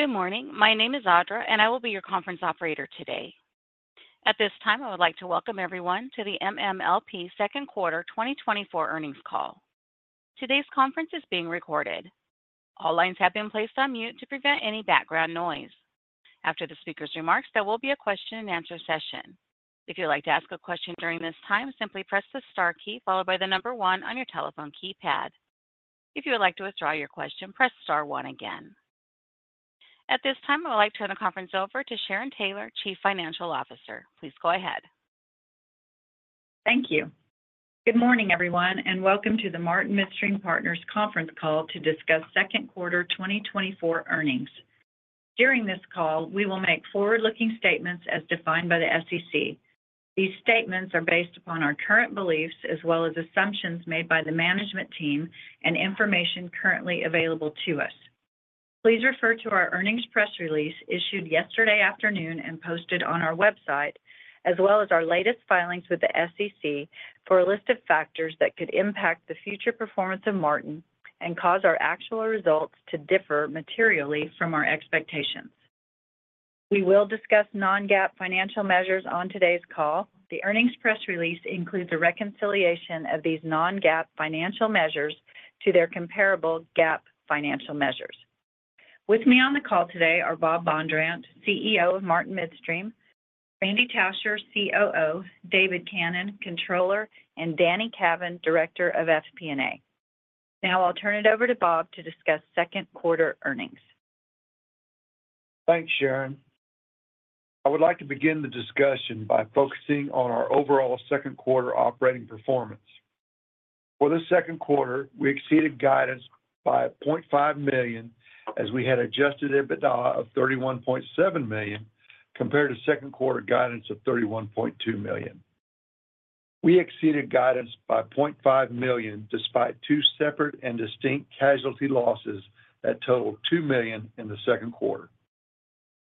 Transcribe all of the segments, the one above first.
Good morning. My name is Audra, and I will be your conference operator today. At this time, I would like to welcome everyone to the MMLP second quarter 2024 earnings call. Today's conference is being recorded. All lines have been placed on mute to prevent any background noise. After the speaker's remarks, there will be a question-and-answer session. If you'd like to ask a question during this time, simply press the star key followed by the number one on your telephone keypad. If you would like to withdraw your question, press star one again. At this time, I would like to turn the conference over to Sharon Taylor, Chief Financial Officer. Please go ahead. Thank you. Good morning, everyone, and welcome to the Martin Midstream Partners conference call to discuss second quarter 2024 earnings. During this call, we will make forward-looking statements as defined by the SEC. These statements are based upon our current beliefs as well as assumptions made by the management team and information currently available to us. Please refer to our earnings press release issued yesterday afternoon and posted on our website, as well as our latest filings with the SEC for a list of factors that could impact the future performance of Martin and cause our actual results to differ materially from our expectations. We will discuss non-GAAP financial measures on today's call. The earnings press release includes a reconciliation of these non-GAAP financial measures to their comparable GAAP financial measures. With me on the call today are Rob Bondurant, CEO of Martin Midstream, Randy Tascher, COO, David Cannon, Controller, and Danny Cavin, Director of FP&A. Now I'll turn it over to Rob to discuss second quarter earnings. Thanks, Sharon. I would like to begin the discussion by focusing on our overall second quarter operating performance. For the second quarter, we exceeded guidance by $0.5 million, as we had Adjusted EBITDA of $31.7 million, compared to second quarter guidance of $31.2 million. We exceeded guidance by $0.5 million, despite two separate and distinct casualty losses that totaled $2 million in the second quarter.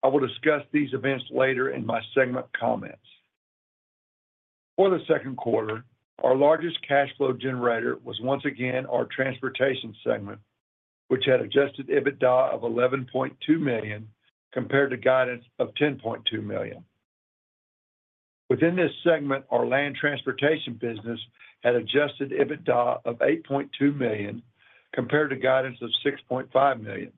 I will discuss these events later in my segment comments. For the second quarter, our largest cash flow generator was once again our transportation segment, which had Adjusted EBITDA of $11.2 million, compared to guidance of $10.2 million. Within this segment, our land transportation business had Adjusted EBITDA of $8.2 million, compared to guidance of $6.5 million.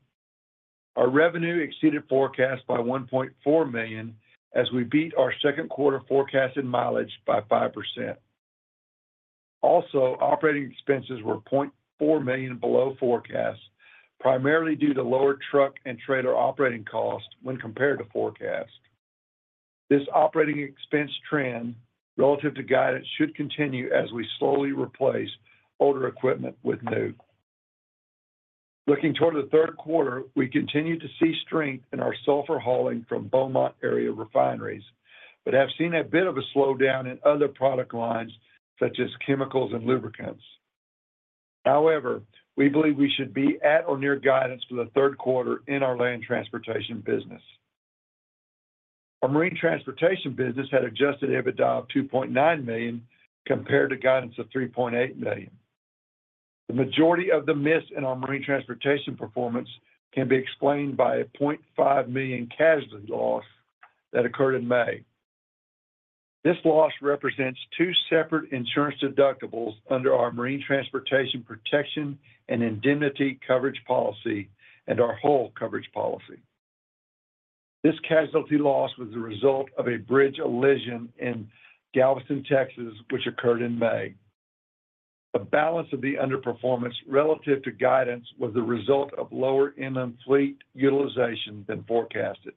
Our revenue exceeded forecast by $1.4 million, as we beat our second quarter forecasted mileage by 5%. Also, operating expenses were $0.4 million below forecast, primarily due to lower truck and trailer operating costs when compared to forecast. This operating expense trend relative to guidance should continue as we slowly replace older equipment with new. Looking toward the third quarter, we continue to see strength in our sulfur hauling from Beaumont area refineries, but have seen a bit of a slowdown in other product lines, such as chemicals and lubricants. However, we believe we should be at or near guidance for the third quarter in our land transportation business. Our marine transportation business had adjusted EBITDA of $2.9 million, compared to guidance of $3.8 million. The majority of the miss in our marine transportation performance can be explained by a $0.5 million casualty loss that occurred in May. This loss represents two separate insurance deductibles under our marine transportation protection and indemnity coverage policy and our hull coverage policy. This casualty loss was the result of a bridge allision in Galveston, Texas, which occurred in May. The balance of the underperformance relative to guidance was the result of lower inland fleet utilization than forecasted.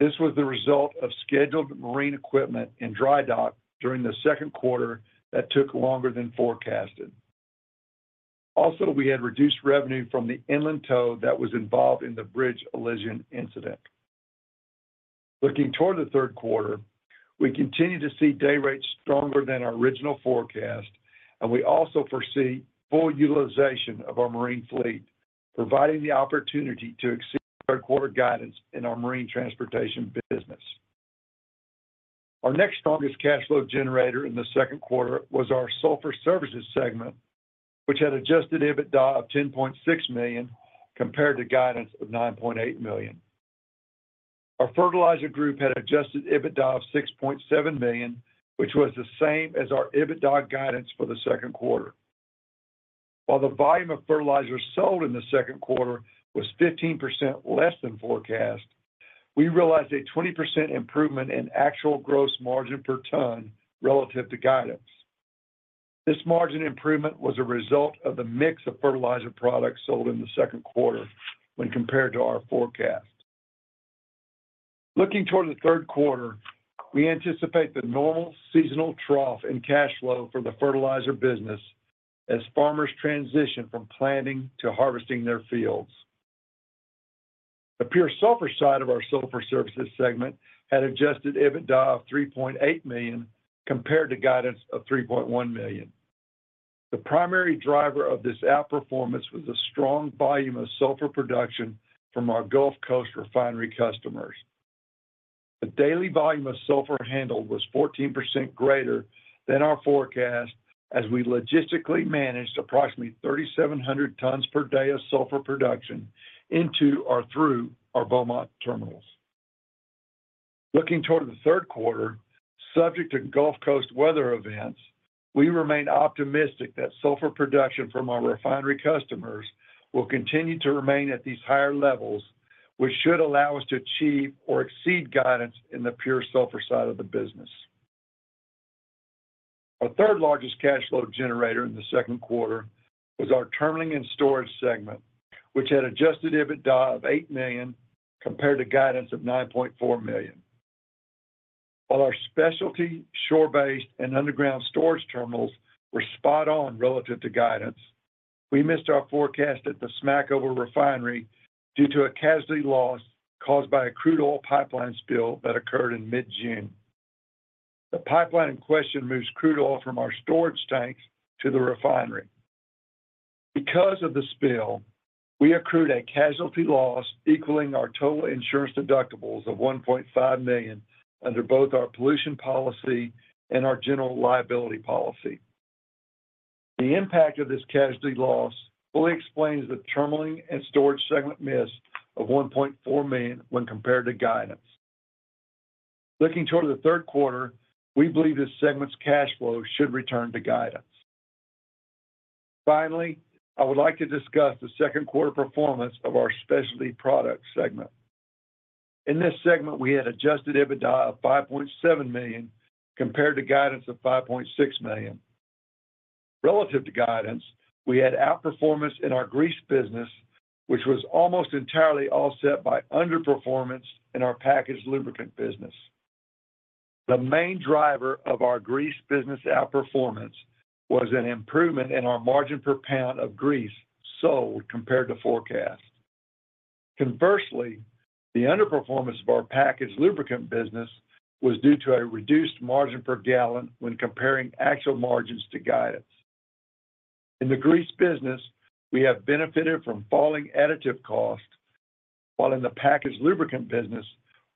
This was the result of scheduled marine equipment in dry dock during the second quarter that took longer than forecasted. Also, we had reduced revenue from the inland tow that was involved in the bridge allision incident. Looking toward the third quarter, we continue to see day rates stronger than our original forecast, and we also foresee full utilization of our marine fleet, providing the opportunity to exceed third quarter guidance in our marine transportation business. Our next strongest cash flow generator in the second quarter was our sulfur services segment, which had Adjusted EBITDA of $10.6 million, compared to guidance of $9.8 million. Our fertilizer group had Adjusted EBITDA of $6.7 million, which was the same as our EBITDA guidance for the second quarter. While the volume of fertilizer sold in the second quarter was 15% less than forecast, we realized a 20% improvement in actual gross margin per ton relative to guidance. This margin improvement was a result of the mix of fertilizer products sold in the second quarter when compared to our forecast. Looking toward the third quarter, we anticipate the normal seasonal trough in cash flow for the fertilizer business as farmers transition from planting to harvesting their fields. The pure sulfur side of our sulfur services segment had Adjusted EBITDA of $3.8 million, compared to guidance of $3.1 million. The primary driver of this outperformance was a strong volume of sulfur production from our Gulf Coast refinery customers. The daily volume of sulfur handled was 14% greater than our forecast as we logistically managed approximately 3,700 tons per day of sulfur production into or through our Beaumont terminals. Looking toward the third quarter, subject to Gulf Coast weather events, we remain optimistic that sulfur production from our refinery customers will continue to remain at these higher levels, which should allow us to achieve or exceed guidance in the pure sulfur side of the business. Our third largest cash flow generator in the second quarter was our terminalling and storage segment, which had Adjusted EBITDA of $8 million, compared to guidance of $9.4 million. While our specialty, shore-based, and underground storage terminals were spot on relative to guidance, we missed our forecast at the Smackover Refinery due to a casualty loss caused by a crude oil pipeline spill that occurred in mid-June. The pipeline in question moves crude oil from our storage tanks to the refinery. Because of the spill, we accrued a casualty loss equaling our total insurance deductibles of $1.5 million under both our pollution policy and our general liability policy. The impact of this casualty loss fully explains the terminalling and storage segment miss of $1.4 million when compared to guidance. Looking toward the third quarter, we believe this segment's cash flow should return to guidance. Finally, I would like to discuss the second quarter performance of our specialty product segment. In this segment, we had adjusted EBITDA of $5.7 million, compared to guidance of $5.6 million. Relative to guidance, we had outperformance in our grease business, which was almost entirely offset by underperformance in our packaged lubricant business. The main driver of our grease business outperformance was an improvement in our margin per pound of grease sold compared to forecast. Conversely, the underperformance of our packaged lubricant business was due to a reduced margin per gallon when comparing actual margins to guidance. In the grease business, we have benefited from falling additive costs, while in the packaged lubricant business,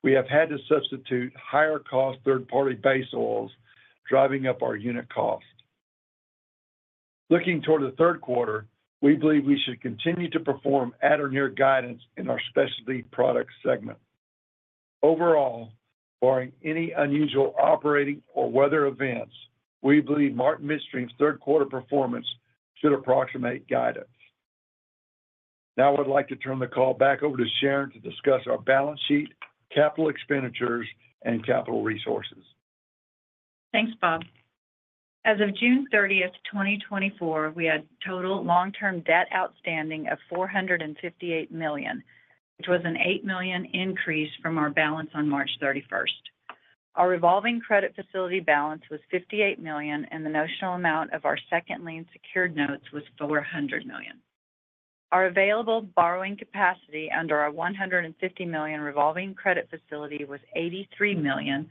we have had to substitute higher-cost third-party base oils, driving up our unit cost. Looking toward the third quarter, we believe we should continue to perform at or near guidance in our specialty product segment. Overall, barring any unusual operating or weather events, we believe Martin Midstream's third quarter performance should approximate guidance. Now, I would like to turn the call back over to Sharon to discuss our balance sheet, capital expenditures, and capital resources. Thanks, Rob. As of June 30, 2024, we had total long-term debt outstanding of $458 million, which was an $8 million increase from our balance on March 31. Our revolving credit facility balance was $58 million, and the notional amount of our second lien secured notes was $400 million. Our available borrowing capacity under our $150 million revolving credit facility was $83 million,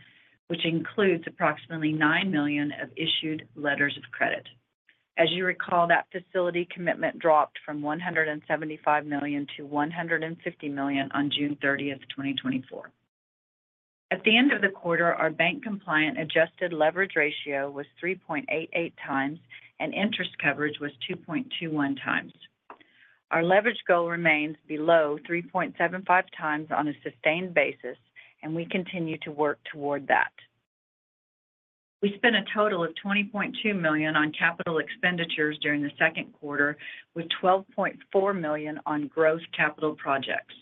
which includes approximately $9 million of issued letters of credit. As you recall, that facility commitment dropped from $175 million to $150 million on June 30, 2024. At the end of the quarter, our bank-compliant adjusted leverage ratio was 3.88 times, and interest coverage was 2.21 times. Our leverage goal remains below 3.75 times on a sustained basis, and we continue to work toward that. We spent a total of $20.2 million on capital expenditures during the second quarter, with $12.4 million on gross capital projects.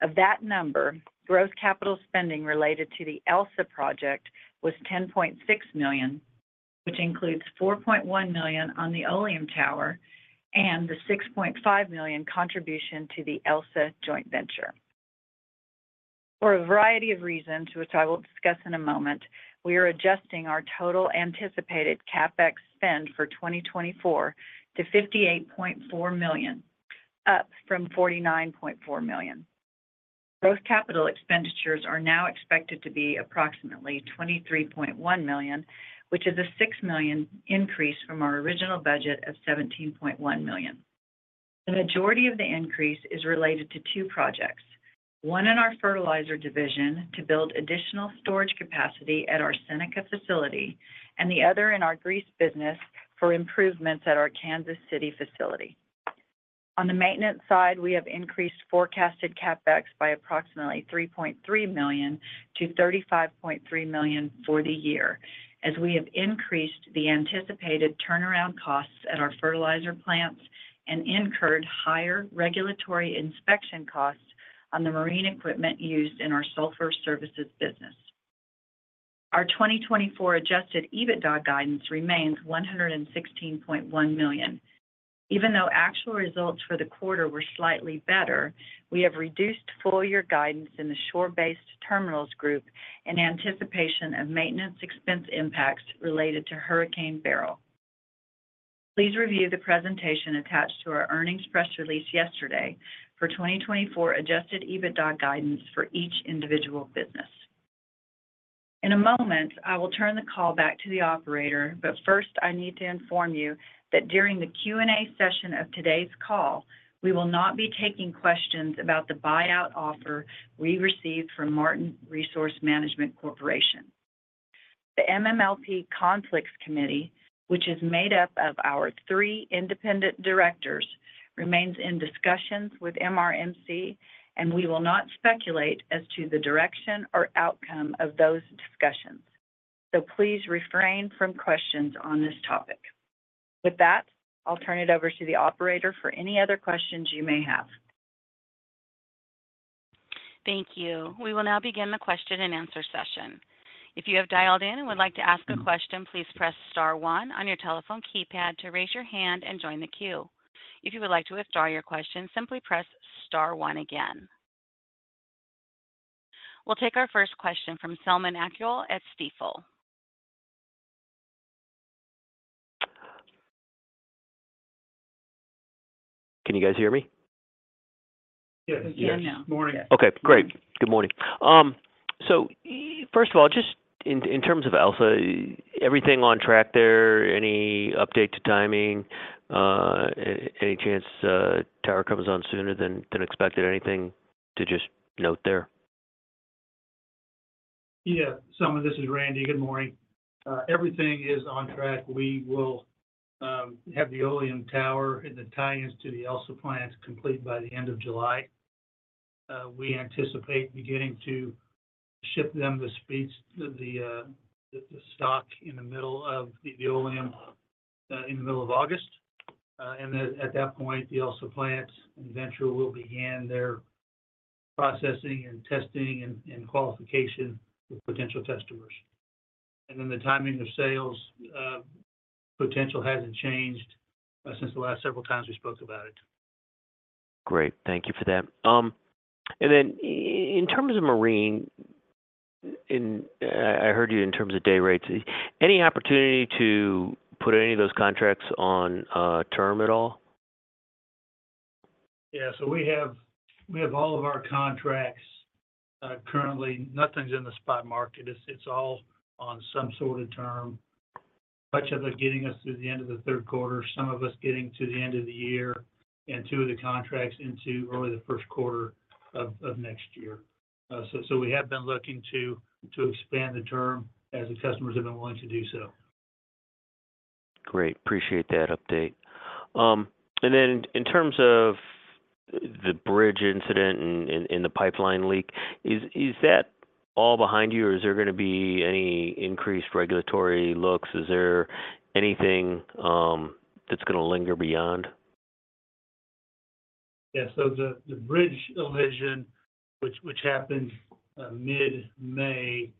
Of that number, gross capital spending related to the ELSA project was $10.6 million, which includes $4.1 million on the oleum tower and the $6.5 million contribution to the ELSA joint venture. For a variety of reasons, which I will discuss in a moment, we are adjusting our total anticipated CapEx spend for 2024 to $58.4 million, up from $49.4 million. Those capital expenditures are now expected to be approximately $23.1 million, which is a $6 million increase from our original budget of $17.1 million. The majority of the increase is related to two projects, one in our fertilizer division to build additional storage capacity at our Seneca facility, and the other in our grease business for improvements at our Kansas City facility. On the maintenance side, we have increased forecasted CapEx by approximately $3.3 million to $35.3 million for the year, as we have increased the anticipated turnaround costs at our fertilizer plants and incurred higher regulatory inspection costs on the marine equipment used in our sulfur services business. Our 2024 Adjusted EBITDA guidance remains $116.1 million. Even though actual results for the quarter were slightly better, we have reduced full-year guidance in the shore-based terminals group in anticipation of maintenance expense impacts related to Hurricane Beryl. Please review the presentation attached to our earnings press release yesterday for 2024 Adjusted EBITDA guidance for each individual business. In a moment, I will turn the call back to the operator, but first I need to inform you that during the Q&A session of today's call, we will not be taking questions about the buyout offer we received from Martin Resource Management Corporation. The MMLP Conflicts Committee, which is made up of our three independent directors, remains in discussions with MRMC, and we will not speculate as to the direction or outcome of those discussions. So please refrain from questions on this topic. With that, I'll turn it over to the operator for any other questions you may have. Thank you. We will now begin the question and answer session. If you have dialed in and would like to ask a question, please press star one on your telephone keypad to raise your hand and join the queue. If you would like to withdraw your question, simply press star one again. We'll take our first question from Selman Akyol at Stifel. Can you guys hear me? Yes. We can hear now. Morning. Okay, great. Good morning. So first of all, just in terms of ELSA, everything on track there, any update to timing? Any chance tower comes on sooner than expected? Anything to just note there? Yeah, Selman, this is Randy. Good morning. Everything is on track. We will have the oleum tower and the tie-ins to the ELSA plant complete by the end of July. We anticipate beginning to ship the oleum in the middle of August. And then at that point, the ELSA plant and Venture will begin their processing and testing and qualification with potential customers. And then the timing of sales potential hasn't changed since the last several times we spoke about it. Great. Thank you for that. And then in terms of marine, and I heard you in terms of day rates, any opportunity to put any of those contracts on term at all? Yeah, so we have, we have all of our contracts. Currently, nothing's in the spot market. It's, it's all on some sort of term, much of it getting us through the end of the third quarter, some of us getting to the end of the year, and two of the contracts into early the first quarter of next year. So, so we have been looking to expand the term as the customers have been willing to do so. Great. Appreciate that update. And then in terms of the bridge incident and the pipeline leak, is that all behind you, or is there gonna be any increased regulatory looks? Is there anything that's gonna linger beyond? Yeah, so the bridge collision, which happened mid-May,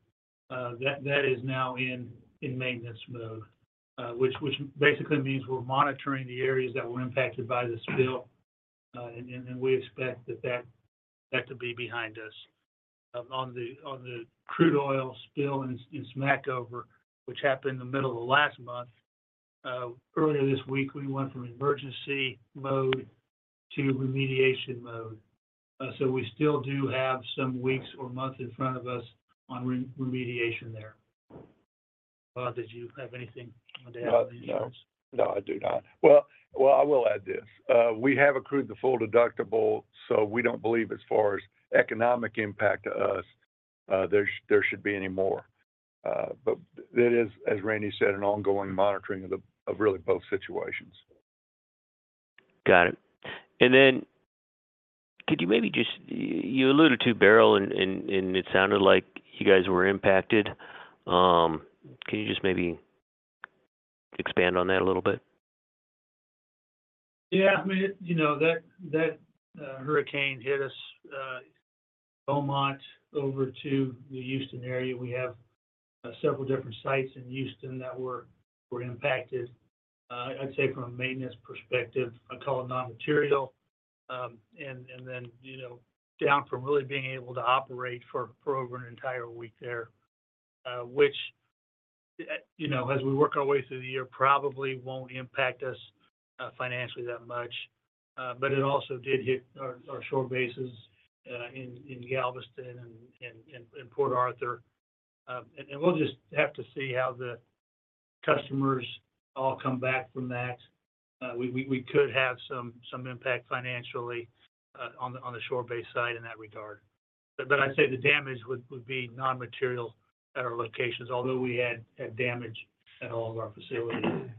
that is now in maintenance mode, which basically means we're monitoring the areas that were impacted by the spill, and we expect that to be behind us. On the crude oil spill in Smackover, which happened in the middle of last month, earlier this week, we went from emergency mode to remediation mode. So we still do have some weeks or months in front of us on remediation there. Rob, did you have anything you wanted to add on these points? No, I do not. Well, I will add this. We have accrued the full deductible, so we don't believe as far as economic impact to us, there should be any more. But that is, as Randy said, an ongoing monitoring of really both situations. Got it. And then could you maybe just... you alluded to Beryl and it sounded like you guys were impacted. Can you just maybe expand on that a little bit? Yeah, I mean, you know, that hurricane hit us, Beaumont over to the Houston area. We have several different sites in Houston that were impacted. I'd say from a maintenance perspective, I'd call it non-material. And then, you know, down from really being able to operate for over an entire week there, which, you know, as we work our way through the year, probably won't impact us financially that much. But it also did hit our shore bases in Galveston and Port Arthur. And we'll just have to see how the customers all come back from that. We could have some impact financially on the shore base side in that regard. But I'd say the damage would be non-material at our locations, although we had damage at all of our facilities.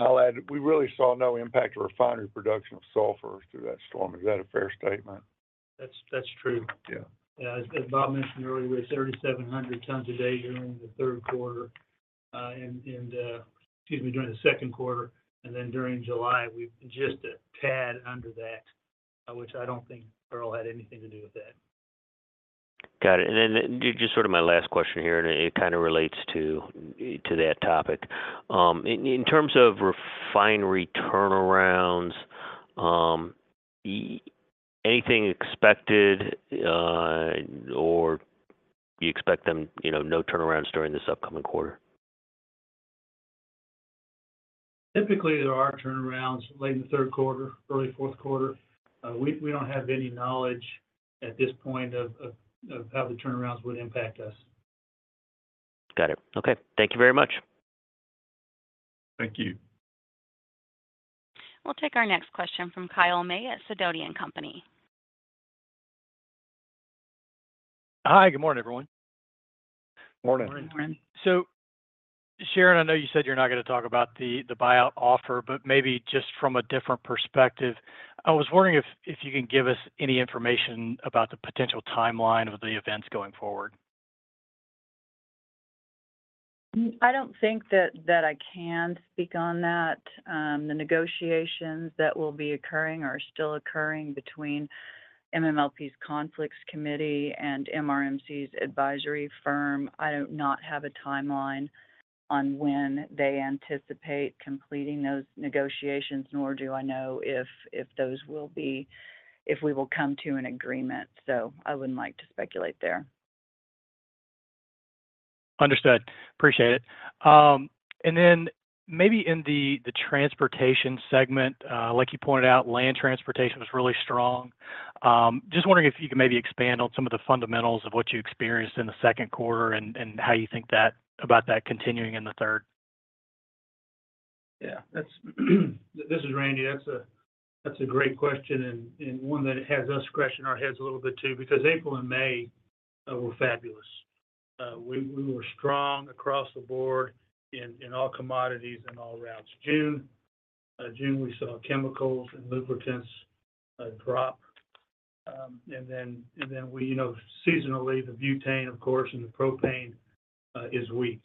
I'll add, we really saw no impact to refinery production of sulfur through that storm. Is that a fair statement? That's true. Yeah. Yeah, as Rob mentioned earlier, we're at 3,700 tons a day during the third quarter, and excuse me, during the second quarter, and then during July, we've just a tad under that, which I don't think Beryl had anything to do with that. Got it. And then just sort of my last question here, and it kind of relates to that topic. In terms of refinery turnarounds, anything expected, or you expect them, you know, no turnarounds during this upcoming quarter? Typically, there are turnarounds late in the third quarter, early fourth quarter. We don't have any knowledge at this point of how the turnarounds would impact us. Got it. Okay. Thank you very much. Thank you. We'll take our next question from Kyle May at Sidoti & Company. Hi, good morning, everyone. Morning. Morning. So, Sharon, I know you said you're not gonna talk about the buyout offer, but maybe just from a different perspective, I was wondering if you can give us any information about the potential timeline of the events going forward? I don't think that I can speak on that. The negotiations that will be occurring are still occurring between MMLP's Conflicts Committee and MRMC's advisory firm. I do not have a timeline on when they anticipate completing those negotiations, nor do I know if we will come to an agreement. So I wouldn't like to speculate there. Understood. Appreciate it. And then maybe in the transportation segment, like you pointed out, land transportation was really strong. Just wondering if you could maybe expand on some of the fundamentals of what you experienced in the second quarter and how you think about that continuing in the third? This is Randy. That's a great question, and one that has us scratching our heads a little bit, too, because April and May were fabulous. We were strong across the board in all commodities and all routes. June, we saw chemicals and lubricants drop. And then, you know, seasonally, the butane, of course, and the propane is weak.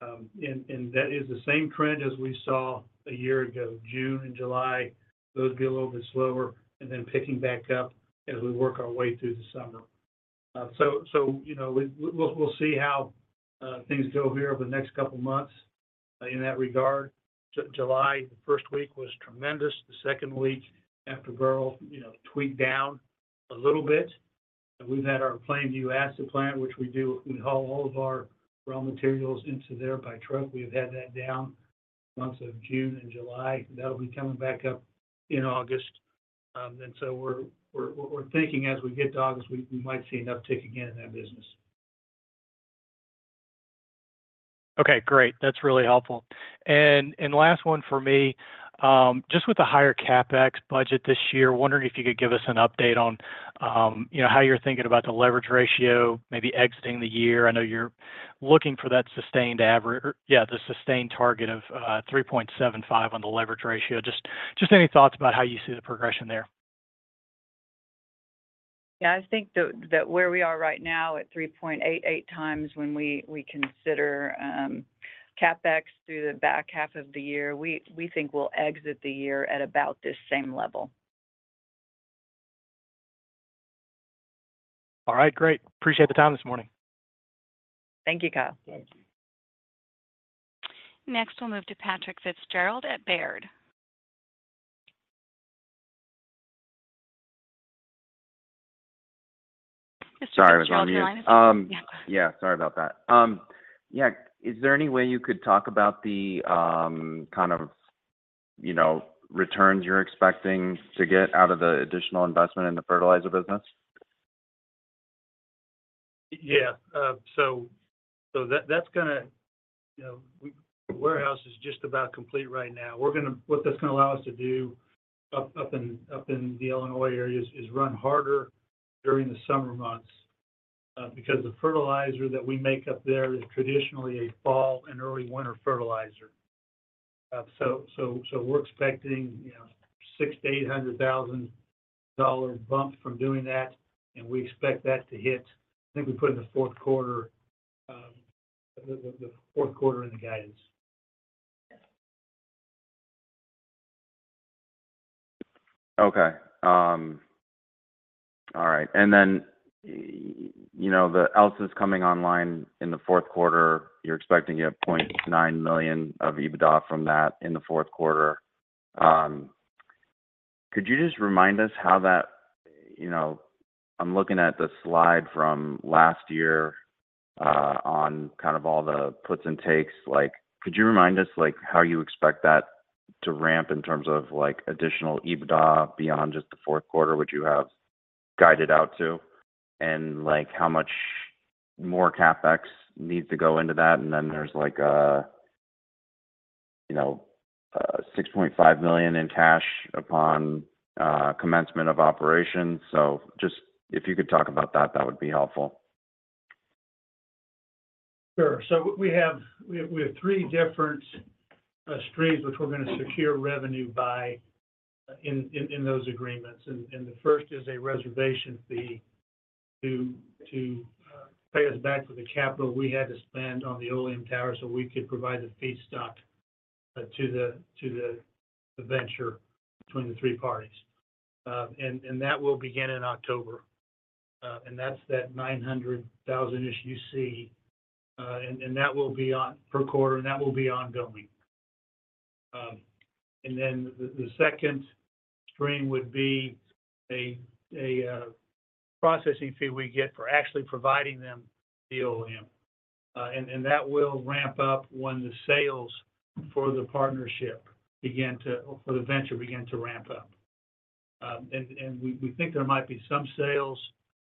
And that is the same trend as we saw a year ago. June and July, those would be a little bit slower, and then picking back up as we work our way through the summer. So, you know, we'll see how things go here over the next couple of months in that regard. July, the first week was tremendous. The second week after, Beryl, you know, tweaked down a little bit. We've had our Plainview acid plant, which we do, we haul all of our raw materials into there by truck. We've had that down months of June and July. That'll be coming back up in August. And so we're thinking as we get to August, we might see an uptick again in that business. Okay, great. That's really helpful. And last one for me, just with the higher CapEx budget this year, wondering if you could give us an update on, you know, how you're thinking about the leverage ratio, maybe exiting the year? I know you're looking for that sustained target of 3.75 on the leverage ratio. Just any thoughts about how you see the progression there? Yeah, I think that's where we are right now at 3.88 times when we consider CapEx through the back half of the year, we think we'll exit the year at about this same level. All right, great. Appreciate the time this morning. Thank you, Kyle. Thank you. Next, we'll move to Patrick Fitzgerald at Baird. Mr. Fitzgerald, you line up? Sorry, I was on mute. Yeah. Yeah, sorry about that. Yeah. Is there any way you could talk about the, kind of, you know, returns you're expecting to get out of the additional investment in the fertilizer business? Yeah. So that, that's gonna, you know, we the warehouse is just about complete right now. We're gonna. What that's gonna allow us to do up in the Illinois areas is run harder during the summer months, because the fertilizer that we make up there is traditionally a fall and early winter fertilizer. So we're expecting, you know, $600,000-$800,000 bump from doing that, and we expect that to hit, I think we put in the fourth quarter, the fourth quarter in the guidance. Okay. All right. And then, you know, the ELSA is coming online in the fourth quarter. You're expecting to get $0.9 million of EBITDA from that in the fourth quarter. Could you just remind us how that... You know, I'm looking at the slide from last year, on kind of all the puts and takes. Like, could you remind us, like, how you expect that to ramp in terms of, like, additional EBITDA beyond just the fourth quarter, which you have guided out to? And, like, how much more CapEx needs to go into that, and then there's like, you know, $6.5 million in cash upon commencement of operations. So just if you could talk about that, that would be helpful. Sure. So we have three different streams which we're gonna secure revenue by in those agreements. And the first is a reservation fee to pay us back for the capital we had to spend on the oleum tower so we could provide the feedstock to the venture between the three parties. And that will begin in October, and that's the $900,000 you see. And that will be one per quarter, and that will be ongoing. And then the second stream would be a processing fee we get for actually providing them the oleum. And that will ramp up when the sales for the partnership begin to, or for the venture begin to ramp up. We think there might be some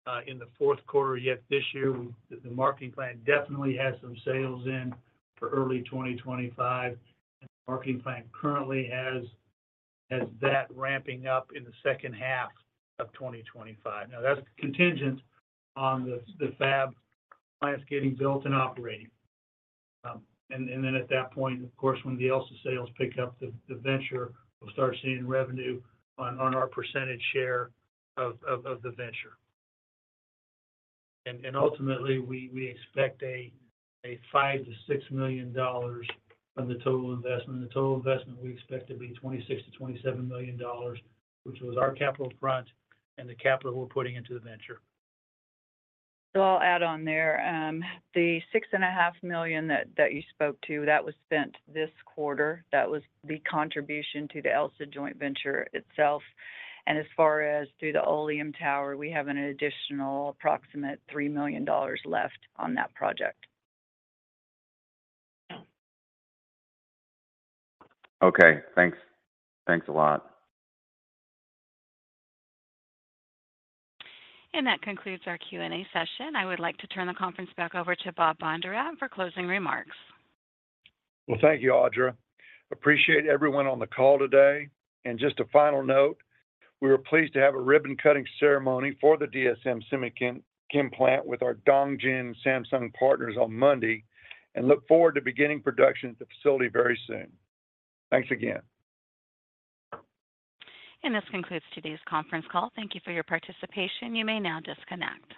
sales in the fourth quarter yet this year. The marketing plan definitely has some sales in for early 2025. The marketing plan currently has that ramping up in the second half of 2025. Now, that's contingent on the fab plants getting built and operating. Then at that point, of course, when the ELSA sales pick up, the venture will start seeing revenue on our percentage share of the venture. Ultimately, we expect $5 million-$6 million on the total investment. The total investment we expect to be $26 million-$27 million, which was our capital front and the capital we're putting into the venture. So I'll add on there. The $6.5 million that you spoke to, that was spent this quarter, that was the contribution to the ELSA joint venture itself, and as far as through the Oleum tower, we have an additional approximate $3 million left on that project. Yeah. Okay, thanks. Thanks a lot. That concludes our Q&A session. I would like to turn the conference back over to Rob Bondurant for closing remarks. Well, thank you, Audra. Appreciate everyone on the call today. Just a final note, we were pleased to have a ribbon cutting ceremony for the DSM Semichem plant with our Dongjin Samsung partners on Monday, and look forward to beginning production at the facility very soon. Thanks again. This concludes today's conference call. Thank you for your participation. You may now disconnect.